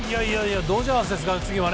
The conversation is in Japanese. ドジャースですから次は。